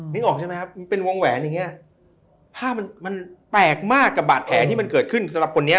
ออกใช่ไหมครับมันเป็นวงแหวนอย่างเงี้ยภาพมันมันแปลกมากกับบาดแผลที่มันเกิดขึ้นสำหรับคนนี้